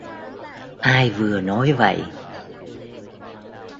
Ai vừa nói vậy